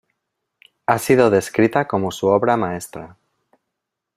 Ha sido descrita como su obra maestra.